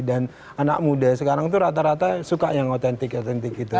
dan anak muda sekarang itu rata rata suka yang otentik otentik gitu